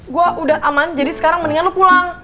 gue udah aman jadi sekarang mendingan lu pulang